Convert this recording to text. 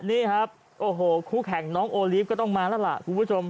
นี่ครับโอ้โหคู่แข่งน้องโอลีฟก็ต้องมาแล้วล่ะคุณผู้ชม